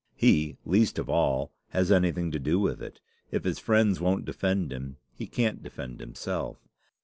He, least of all, has anything to do with it. If his friends won't defend him, he can't defend himself.